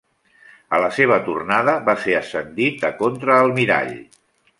A la seva tornada va ser ascendit a contraalmirall.